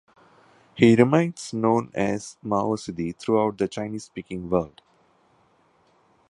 He remains known as Mao Sidi throughout the Chinese-speaking world.